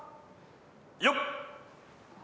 よっ！